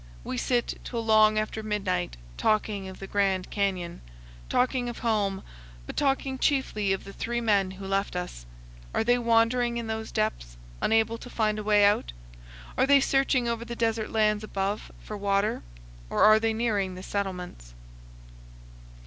We sit till long after midnight talking of the Grand Canyon, talking of home, but talking chiefly of the three men who left us. Are they wandering in those depths, unable to find a way out? Are they searching over the desert lands above for water? Or are they nearing the settlements?